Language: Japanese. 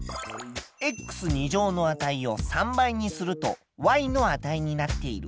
の値を３倍にするとの値になっている。